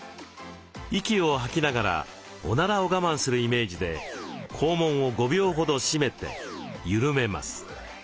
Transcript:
息を吐きながらおならを我慢するイメージで肛門を５秒ほど締めて緩めます。